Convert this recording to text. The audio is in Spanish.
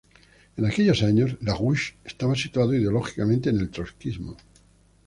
En aquellos años, LaRouche estaba situado ideológicamente en el trotskismo.